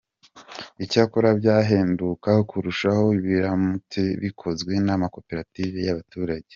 icyakora byahenduka kurushaho biramutse bikozwe n’amakoperative y’abaturage.